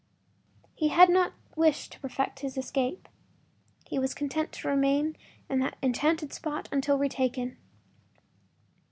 He had not wish to perfect his escape—he was content to remain in that enchanting spot until retaken.